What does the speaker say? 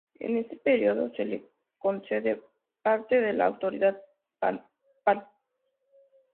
En este período se le concede parte de la autoridad papal.